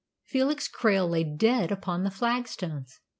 Felix Krail lay dead upon the flagstones.